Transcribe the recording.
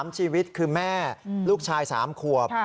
๓ชีวิตคือแม่ลูกชาย๓ขวบ